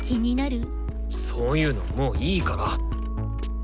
そういうのもういいから！